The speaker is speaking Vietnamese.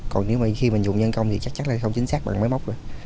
còn khi dùng nhân công thì chắc chắn không chính xác bằng máy móc